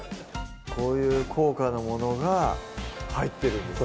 こういう高価なものが入ってるんですね